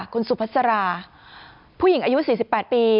คุณสุพัสราผู้หญิงอายุ๔๘ปี